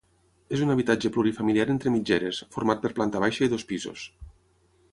És un habitatge plurifamiliar entre mitgeres, format per planta baixa i dos pisos.